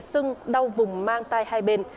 sưng đau vùng mang tay hai bên